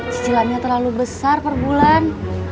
cicilannya terlalu besar perbulan